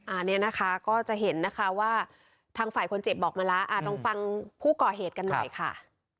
อันนี้นะคะก็จะเห็นนะคะว่าทางฝ่ายคนเจ็บบอกมาแล้วอ่าลองฟังผู้ก่อเหตุกันหน่อยค่ะ